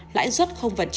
lãi rút